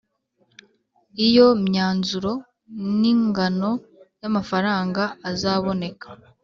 iyo myanzuro n'ingano y' amafaranga azaboneka.